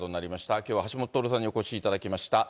きょうは橋下徹さんにお越しいただきました。